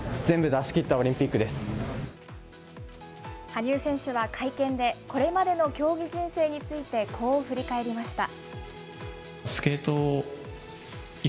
羽生選手は会見で、これまでの競技人生についてこう振り返りました。